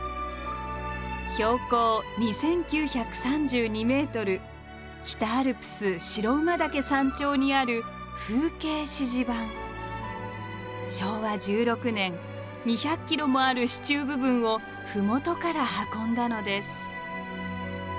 標高２，９３２ｍ北アルプス白馬岳山頂にある昭和１６年２００ｋｇもある支柱部分を麓から運んだのです。